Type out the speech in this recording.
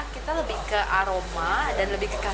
kita lebih ke aroma dan lebih ke